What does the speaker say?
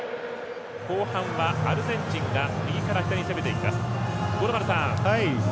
後半はアルゼンチンが右から左に攻めていきます。